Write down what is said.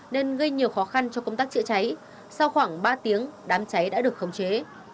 nên gây nhiều khó khăn cho công tác chữa cháy sau khoảng ba tiếng đám cháy đã được khống chế